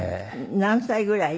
何歳ぐらい？